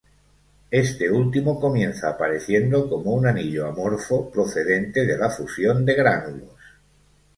Este último comienza apareciendo como un anillo amorfo procedente de la fusión de gránulos.